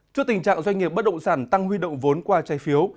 trước tình trạng doanh nghiệp bất động sản tăng huy động vốn qua trái phiếu